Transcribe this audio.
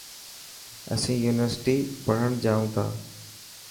اسين يونيورسٽي پڙهڻ جائون ٿا.